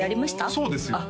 そうですよあっ